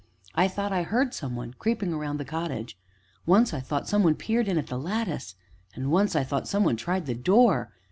I thought I heard some one creeping round the cottage. Once I thought some one peered in at the lattice, and once I thought some one tried the door.